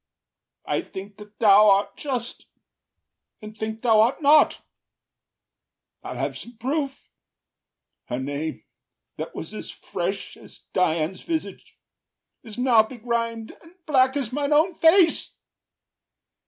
I think that thou art just, and think thou art not. I’ll have some proof: her name, that was as fresh As Dian’s visage, is now begrim’d and black As mine own face.